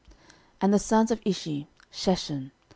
And the sons of Ishi; Sheshan.